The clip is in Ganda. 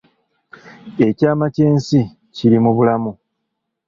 Ekyama ky’ensi kiri mu bulamu